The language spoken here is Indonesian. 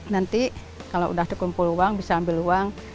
nanti kalau sudah dikumpul uang bisa ambil uang